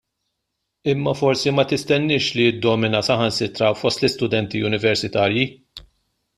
Imma forsi ma tistenniex li jiddomina saħansitra fost l-istudenti universitarji.